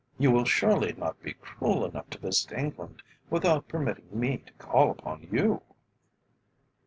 "You will surely not be cruel enough to visit England without permitting me to call upon you?"